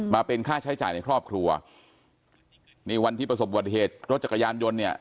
มาเป็นค่าใช้จ่ายในครอบครัวนี่วันที่ประสบบัติเหตุรถจักรยานยนต์เนี่ย